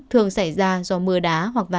thường xảy ra do mưa đá